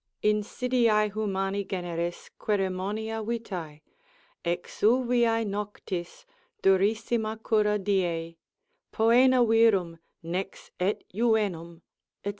Insidiae humani generis, querimonia vitae, Exuviae noctis, durissima cura diei, Poena virum, nex et juvenum, &c.